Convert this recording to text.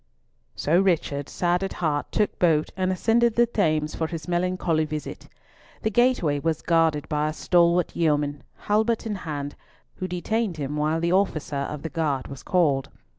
So Richard, sad at heart, took boat and ascended the Thames for his melancholy visit. The gateway was guarded by a stalwart yeoman, halbert in hand, who detained him while the officer of the guard was called.